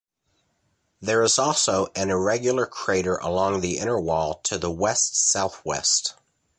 There is also an irregular crater along the inner wall to the west-southwest.